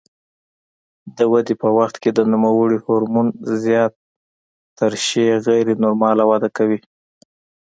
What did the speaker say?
د ودې په وخت کې د نوموړي هورمون زیاته ترشح غیر نورماله وده کوي.